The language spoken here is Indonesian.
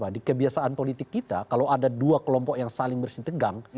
di kebiasaan politik kita kalau ada dua kelompok yang saling bersih tegang